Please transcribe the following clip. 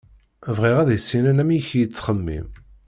Bɣiɣ ad issinen amek i yettxemmim.